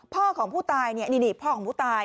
พ่อของผู้ตายเนี่ยนี่พ่อของผู้ตาย